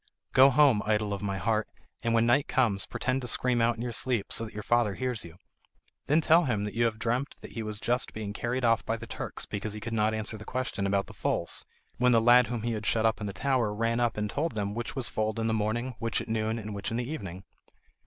"Go home, idol of my heart, and when night comes, pretend to scream out in your sleep, so that your father hears you. Then tell him that you have dreamt that he was just being carried off by the Turks because he could not answer the question about the foals, when the lad whom he had shut up in the tower ran up and told them which was foaled in the morning, which at noon, and which in the evening."